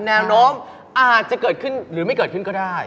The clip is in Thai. แนวโน้มอาจจะเกิดขึ้นหรือไม่เกิดขึ้นก็ได้